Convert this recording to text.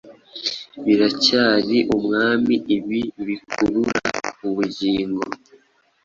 Biracyari Umwami ibi bikurura Ubugingo,